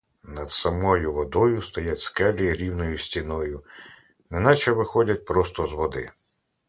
Над самою водою стоять скелі рівною стіною, неначе виходять просто з води.